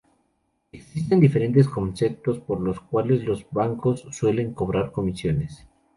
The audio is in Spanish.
Existen diferentes conceptos por los cuales los bancos suelen cobrar comisiones.